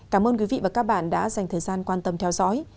cảm ơn quý vị và các bạn đã dành thời gian quan tâm theo dõi